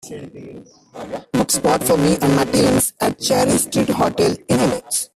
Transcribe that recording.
book spot for me and my teens at Cherry Street Hotel in MH